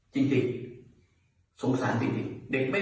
คนที่จะด่าผมจะด่ามา